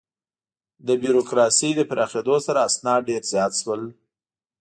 د بروکراسي د پراخېدو سره، اسناد ډېر زیات شول.